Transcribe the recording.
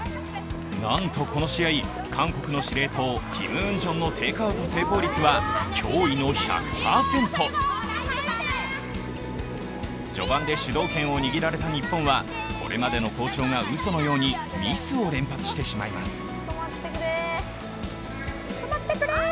なんとこの試合、韓国の司令塔キム・ウンジョンのテークアウト成功率は驚異の１００％序盤で主導権を握られた日本はこれまでの好調が、うそのようにミスを連発してしまいます。